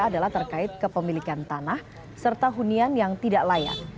adalah terkait kepemilikan tanah serta hunian yang tidak layak